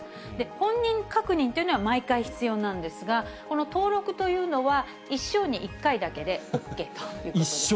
本人確認というのは毎回必要なんですが、この登録というのは、一生に一回だけでＯＫということです。